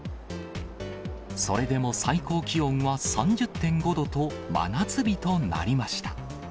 それでも最高気温は３０．５度と、真夏日となりました。